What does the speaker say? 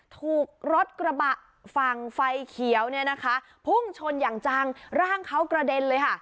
ถูกรถกระบะฝั่งไฟเขียวเนี่ยนะคะพุ่งชนอย่างจังร่างเขากระเด็นเลยค่ะ